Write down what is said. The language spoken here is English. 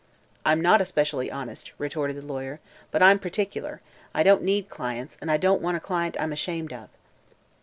"I'm not especially honest," retorted the lawyer, "but I'm particular. I don't need clients, and I don't want a client I'm ashamed of."